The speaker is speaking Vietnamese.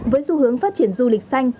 với xu hướng phát triển du lịch xanh